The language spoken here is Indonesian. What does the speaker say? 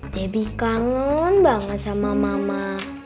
debbie kangen banget sama mama